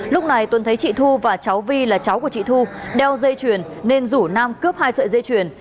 lúc này tuấn thấy chị thu và cháu vi là cháu của chị thu đeo dây chuyền nên rủ nam cướp hai sợi dây chuyền